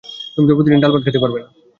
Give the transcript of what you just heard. তুমি তো প্রতিদিন ডাল ভাত খেতে পারবে না।